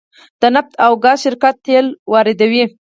د نفت او ګاز شرکت تیل واردوي